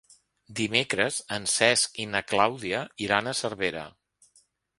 Dimecres en Cesc i na Clàudia iran a Cervera.